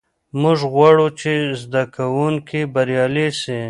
موږ غواړو چې زده کوونکي بریالي سي.